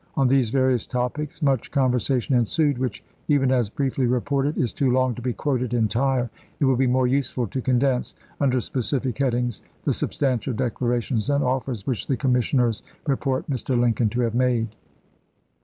On these various topics much conversation ensued, which, even as briefly reported, is too long to be quoted entire. It will be more useful to condense, under specific Feb. 3, 1865. headings, the substantial declarations and offers which the commissioners report Mr. Lincoln to have made.